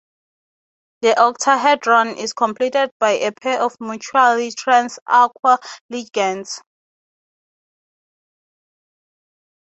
The octahedron is completed by a pair of mutually trans aquo ligands.